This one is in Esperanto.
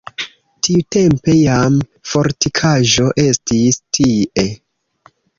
Tiutempe jam fortikaĵo estis tie.